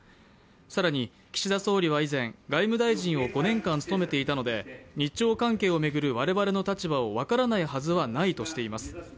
更に、岸田総理は以前外務大臣を５年間務めていたので日朝関係を巡る我々の立場を分からないはずはないとしています。